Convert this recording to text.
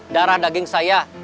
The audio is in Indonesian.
darah daging saya